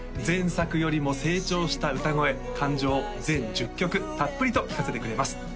前作よりも成長した歌声感情全１０曲たっぷりと聴かせてくれます